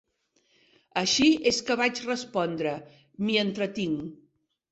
Així és que vaig respondre: m'hi entretinc.